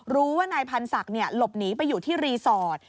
รู้ว่านายพันธ์ศักดิ์หลบหนีไปอยู่ที่รีสอร์ท